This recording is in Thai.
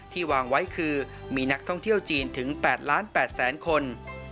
ที่วางไว้คือมีนักท่องเที่ยวจีนถึง๘ล้าน๘แสนคน